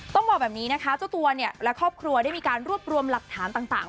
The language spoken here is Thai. ต้องบอกแบบนี้นะคะเจ้าตัวเนี่ยและครอบครัวได้มีการรวบรวมหลักฐานต่าง